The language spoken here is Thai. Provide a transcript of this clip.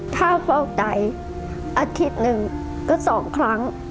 ถ้าฟอกใดอาทิตย์หนึ่งก็๒ครั้ง